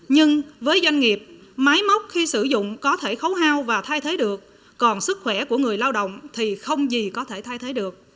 nhưng với doanh nghiệp máy móc khi sử dụng có thể khấu hao và thay thế được còn sức khỏe của người lao động thì không gì có thể thay thế được